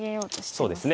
そうですね。